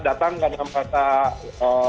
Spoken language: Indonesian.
semangat datang karena